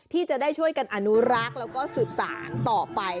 ที่จะได้ช่วยกันอนุรักษ์แล้วก็สืบสารต่อไป